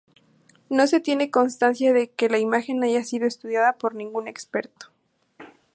No se tiene constancia de que la imagen haya sido estudiada por ningún experto.